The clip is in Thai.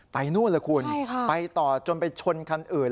นู่นล่ะคุณไปต่อจนไปชนคันอื่น